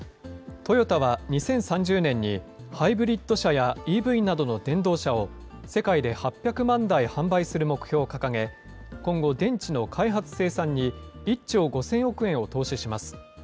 トヨタは２０３０年にハイブリッド車やＥＶなどの電動車を世界で８００万台販売する目標を掲げ、今後、電池の開発・生産に１兆５０００億円を投資します。